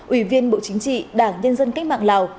ủy viên bộ chính trị đảng nhân dân cách mạng lào